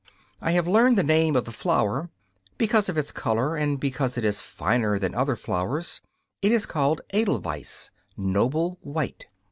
I have learned the name of the flower: because of its colour, and because it is finer than other flowers, it is called Edelweiss noble white.